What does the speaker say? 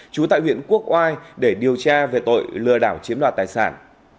trú tại huyện quốc oai để điều tra về tội lừa đảo chiếm đoạt tài sản